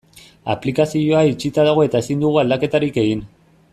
Aplikazioa itxita dago eta ezin dugu aldaketarik egin.